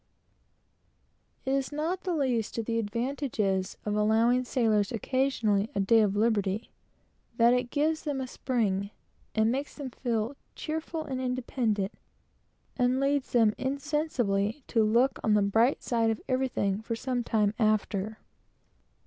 It is not the least of the advantages of allowing sailors occasionally a day of liberty, that it gives them a spring, and makes them feel cheerful and independent, and leads them insensibly to look on the bright side of everything for some time after.